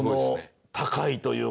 高いというか。